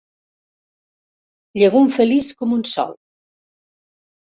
Llegum feliç com un sol.